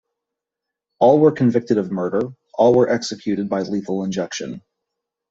All were convicted of murder; all were by executed by lethal injection.